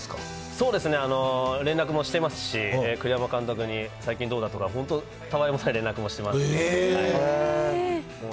そうですね、連絡もしてますし、最近どうだとか、本当他愛もない連絡もしてます。